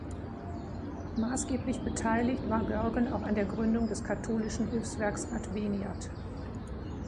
Maßgeblich beteiligt war Görgen auch an der Gründung des katholischen Hilfswerks Adveniat.